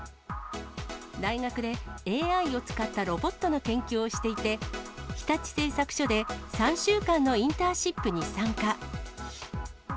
大学でＡＩを使ったロボットの研究をしていて、日立製作所で３週間のインターンシップに参加。